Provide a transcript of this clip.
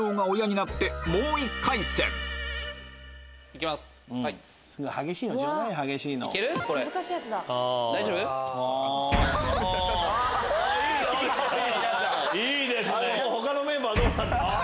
いいですね！